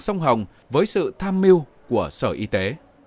sông hồng với sự tham mưu của sở y tế